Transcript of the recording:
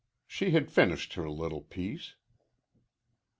She had finished her little piece.